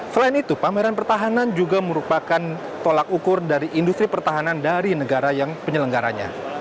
selain itu pameran pertahanan juga merupakan tolak ukur dari industri pertahanan dari negara yang penyelenggaranya